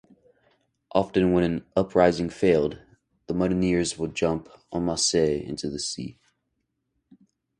Often when an uprising failed, the mutineers would jump "en masse" into the sea.